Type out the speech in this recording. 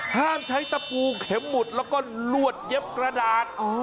ห้ามใช้ตะปูเข็มหมุดแล้วก็ลวดเย็บกระดาษ